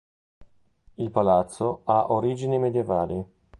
Il Palazzo ha origini medioevali.